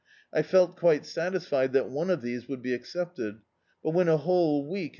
I felt quite satisfied that one of these would be accepted, but when a whole week had [»5] D,i.